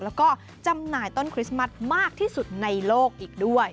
แล้วก็จำหน่ายต้นคริสต์มัสมากที่สุดในโลกอีกด้วย